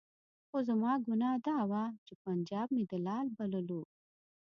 خو زما ګناه دا وه چې پنجاب مې دلال بللو.